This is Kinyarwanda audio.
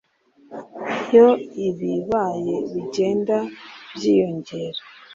iyo ibibaya bigenda byiyongera